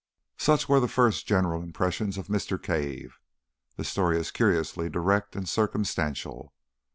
Such were the first general impressions of Mr. Cave. The story is curiously direct and circumstantial.